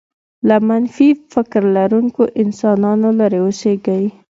له منفي فکر لرونکو انسانانو لرې اوسېږئ.